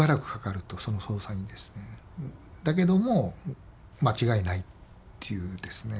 だけども間違いないっていうですね